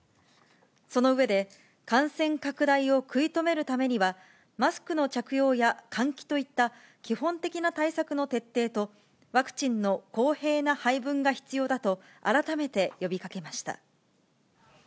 その上で、感染拡大を食い止めるためには、マスクの着用や換気といった、基本的な対策の徹底と、ワクチンの公平な配分が必要だと、改めて呼びかけました。